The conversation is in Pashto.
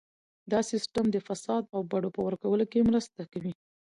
دا سیستم د فساد او بډو په ورکولو کې مرسته کوي.